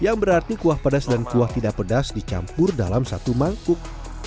yang berarti kuah pedas dan kuah tidak pedas dicampur dalam satu mangkuk